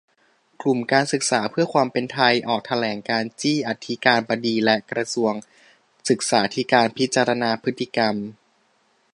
กลุ่มการศึกษาเพื่อความเป็นไท ออกแถลงการณ์ จี้อธิการบดีและกระทรวงศึกษาธิการพิจารณาพฤติกรรม